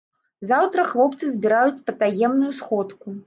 Заўтра хлопцы збіраюць патаемную сходку.